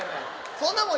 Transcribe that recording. そんなもん